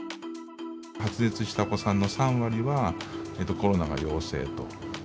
発熱したお子さんの３割は、コロナが陽性と。